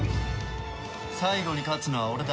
最後に勝つのは俺だ。